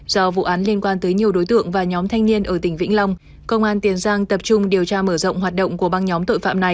do vụ án liên quan tới nhiều đối tượng và nhóm thanh niên ở tỉnh vĩnh long công an tiền giang tập trung điều tra mở rộng hoạt động của băng nhóm tội phạm này